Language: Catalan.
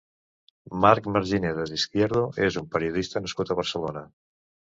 Marc Marginedas Izquierdo és un periodista nascut a Barcelona.